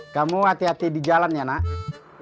kamu hati hati di jalan ya nak